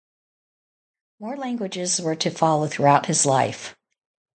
More languages were to follow throughout his life.